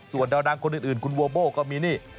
ส่วนดาวดังคนอื่นคุณโวโบ้ก็มีนี่